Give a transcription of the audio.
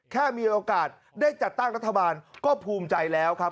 แค่มีโอกาสได้จัดตั้งรัฐบาลก็ภูมิใจแล้วครับ